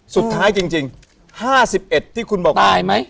จริง๕๑ที่คุณบอกตายไหม